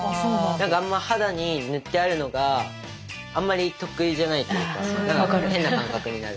何かあんま肌に塗ってあるのがあんまり得意じゃないというか変な感覚になる。